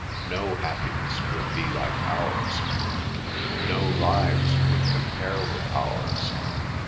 No happiness would be like ours. No lives would compare with ours."